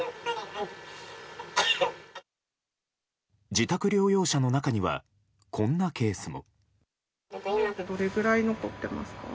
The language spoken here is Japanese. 自宅療養者の中にはこんなケースも。